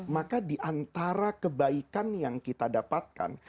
maka di antara kebaikan yang kita dapatkan